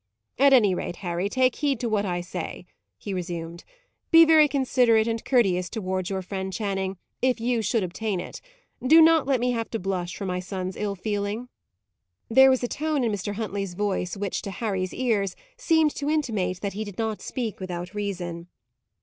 "At any rate, Harry, take heed to what I say," he resumed. "Be very considerate and courteous towards your friend Channing, if you should obtain it. Do not let me have to blush for my son's ill feeling." There was a tone in Mr. Huntley's voice which, to Harry's ears, seemed to intimate that he did not speak without reason.